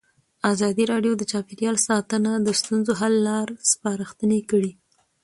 ازادي راډیو د چاپیریال ساتنه د ستونزو حل لارې سپارښتنې کړي.